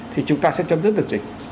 thì chúng ta sẽ chấm dứt được dịch